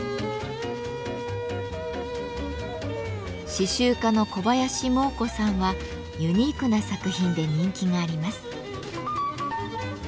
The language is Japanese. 刺繍家の小林モー子さんはユニークな作品で人気があります。